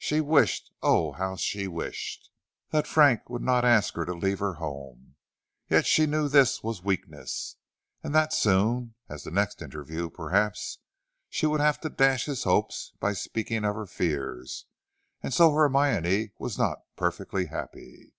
She wished, oh! how she wished, that Frank would not ask her to leave her home. Yet she knew this was weakness, and that soon, at the next interview, perhaps, she would have to dash his hopes by speaking of her fears. And so Hermione was not perfectly happy.